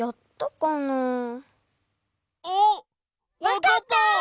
わかった！